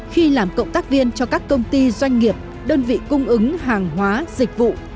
khi làm cộng tác viên cho các công ty doanh nghiệp đơn vị cung ứng hàng hóa dịch vụ